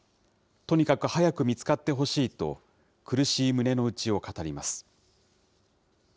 とにかく早く見つかってほしいと、苦しい胸の内を語ります。